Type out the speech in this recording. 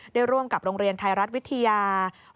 ร่วมกับโรงเรียนไทยรัฐวิทยา